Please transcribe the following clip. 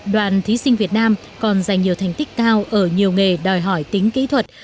đoàn thí sinh việt nam còn giành nhiều thành tích cao ở nhiều nghề đòi hỏi tính kỹ thuật